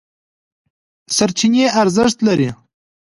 سرچینې ارزښت لري.